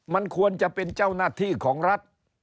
มันควรจะเป็นเจ้าหน้าที่ของรัฐ